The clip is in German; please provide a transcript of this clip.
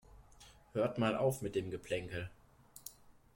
Hört mal auf mit dem Geplänkel.